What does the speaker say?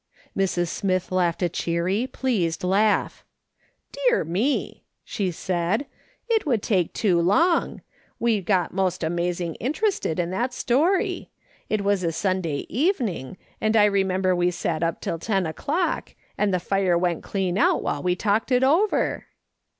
Mrs. Smith laughed a cheery, pleased laugh. " Dear me," she said ;" it would take too long. We got most amazing interested in that story. It was a Sunday evening, and I remember we sat up till ten o'clock, and the fire went clean out while we talked it over."